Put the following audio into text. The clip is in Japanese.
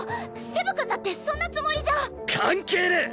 セブ君だってそんなつもりじゃ関係ねえ！